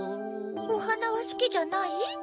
おはなはすきじゃない？